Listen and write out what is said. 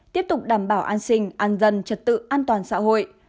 tiếp tục đảm bảo an sinh an dân trật tự an toàn xã hội